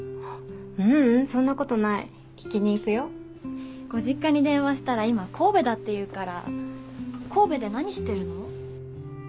ううんそんなことない聴きにいくよご実家に電話したら今神戸だっていうから神戸で何してるの？